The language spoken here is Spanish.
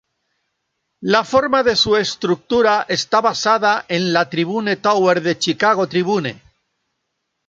La forma de su estructura está basada en la Tribune Tower del Chicago Tribune.